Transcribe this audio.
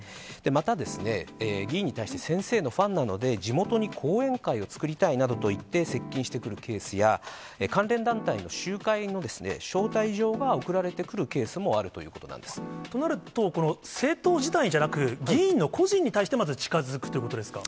また、議員に対して、先生のファンなので、地元に後援会を作りたいなどと言って接近してくるケースや、関連団体の集会の招待状が送られてくるケースもあるということなとなると、政党自体じゃなく、議員の個人に対して、まずは近づくということですか？